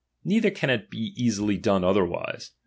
Neither can it easily be done otherwise.